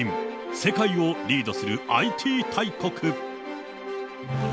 世界をリードするＩＴ大国。